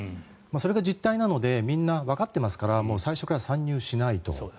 それが実態なのでみんなわかっていますから最初から参入しないと。